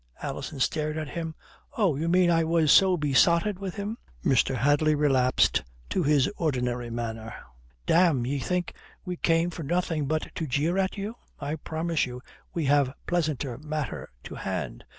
Alison stared at him. "Oh, you mean I was so besotted with him." Mr. Hadley relapsed to his ordinary manner. "Damme, d'ye think we came for nothing but to jeer at you? I promise you we have pleasanter matter to hand.